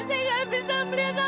saya ada di mana ini